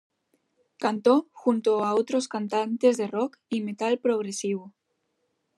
Cantó junto a otros cantantes de rock y metal progresivo.